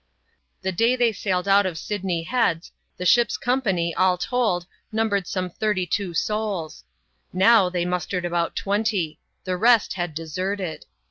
The day they sailed out of Sydney Heads, the ship's com pany, all told, numbered some thirty two souls; now, they mustered about twenty ; the rest had deserted.